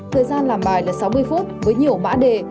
thời gian làm bài là sáu mươi phút với nhiều mã đề